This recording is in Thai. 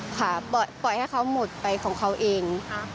ปล่อยให้เขาหมดไปของเขาเอง